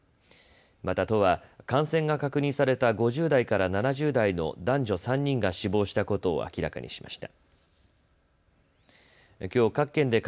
また都は感染が確認された５０代から７０代の男女３人が死亡したことを明らかにしました。